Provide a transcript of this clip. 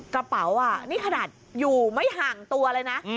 กระเป๋านี่ขนาดอยู่ไม่ห่างตัวเลยนะ